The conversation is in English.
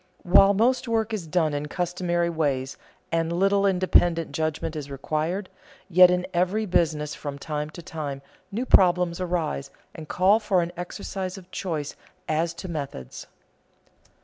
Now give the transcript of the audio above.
While most work is done in customary ways and little independent judgment is required, yet in every business from time to time new problems arise and call for an exercise of choice as to methods.